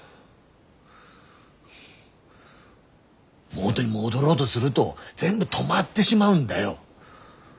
元に戻ろうどするど全部止まってしまうんだよ。